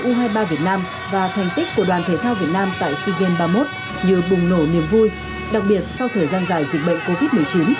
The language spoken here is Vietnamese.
đồng hành với u hai mươi ba việt nam và thành tích của đoàn thể thao việt nam tại sigen ba mươi một như bùng nổ niềm vui đặc biệt sau thời gian dài dịch bệnh covid một mươi chín